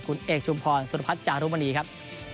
คุณเอกชุมพรสุรพัฒน์จารุมณีครับ